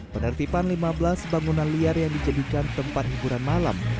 penertiban lima belas bangunan liar yang dijadikan tempat hiburan malam